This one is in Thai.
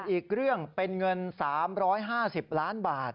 อีกเรื่องเป็นเงิน๓๕๐ล้านบาท